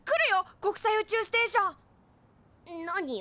国際宇宙ステーション！何よ。